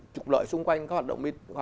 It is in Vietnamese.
chụp lợi xung quanh